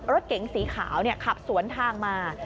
รถเก๋งสีขาวขับสวนทางมา